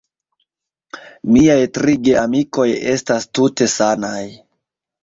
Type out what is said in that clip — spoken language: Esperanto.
Miaj tri geamikoj estas tute sanaj.